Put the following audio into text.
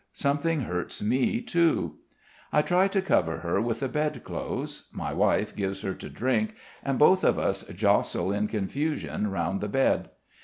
Something hurts me too." I try to cover her with the bedclothes; my wife gives her to drink; and both of us jostle in confusion round the bed.